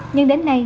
nhưng đến nay